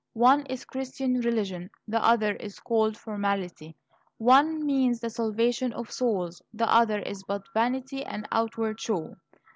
One is Christian religion, the other is cold formality. One means the salvation of souls; the other is but vanity and outward show.